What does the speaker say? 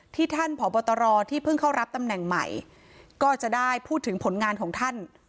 ท่านผอบตรที่เพิ่งเข้ารับตำแหน่งใหม่ก็จะได้พูดถึงผลงานของท่าน